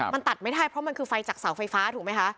มันตัดไม่ได้เพราะมันคือไฟจากเสาไฟฟ้าถูกไหมคะ